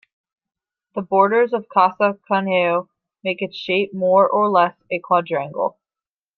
The borders of Casa Conejo make its shape more or less a quadrangle.